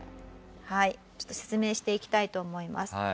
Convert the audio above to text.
はいちょっと説明していきたいと思います。